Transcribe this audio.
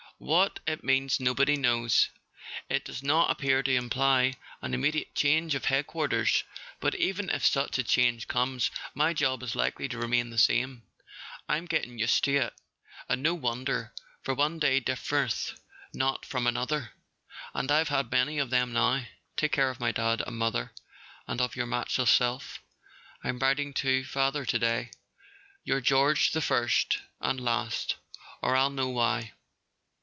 What it means nobody knows. It does not appear to imply an immediate change of Head¬ quarters; but even if such a change comes, my job is likely to remain the same. I'm getting used to it, and no wonder, for one day differeth not from another, and I've had many of them now. Take care of Dad and mother, and of your matchless self. I'm writing to father to day. Your George the First—and Last (or I'll know why)."